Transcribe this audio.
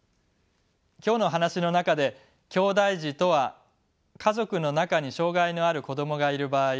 今日の話の中できょうだい児とは家族の中に障がいのある子どもがいる場合